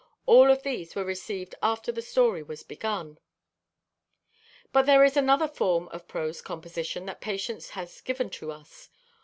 All of these were received after this story was begun. But there is another form of prose composition that Patience has given to us.